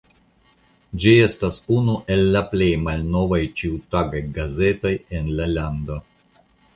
Ĝi estas unu el la plej malnovaj ĉiutagaj gazetoj en la lando.